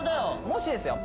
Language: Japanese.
もしですよ